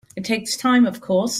It takes time of course.